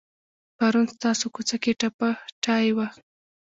پرون ستاسو کوڅه کې ټپه ټایي وه.